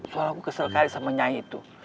soalnya aku kesel sekali sama nyai itu